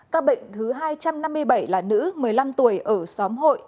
các bệnh thứ hai trăm năm mươi bảy là nữ một mươi năm tuổi ở xóm hội